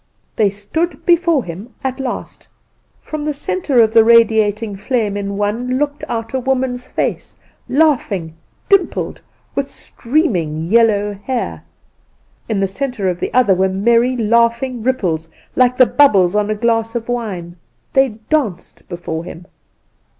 They stood before him at last. From the centre of the radiating flame in one looked out a woman's face, laughing, dimpled, with streaming yellow hair. In the centre of the other were merry laughing ripples, like the bubbles on a glass of wine. They danced before him.